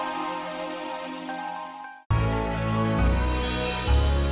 intinya aku serius satu malam promote awful time behind the scenes